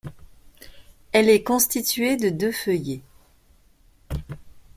Elle est constituée de deux feuillets.